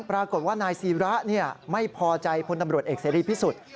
ปรากฏว่านายศิระไม่พอใจพลตำรวจเอกเสรีพิสุทธิ์